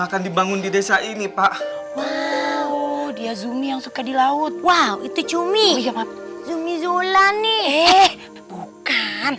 akan dibangun di desa ini pak wow dia zumi yang suka di laut wow itu cumi zumi zola nih bukan